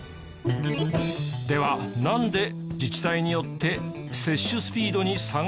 ではなんで自治体によって接種スピードに差があるの？